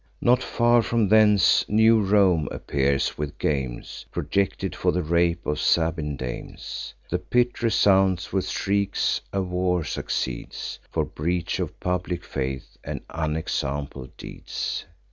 Not far from thence new Rome appears, with games Projected for the rape of Sabine dames. The pit resounds with shrieks; a war succeeds, For breach of public faith, and unexampled deeds.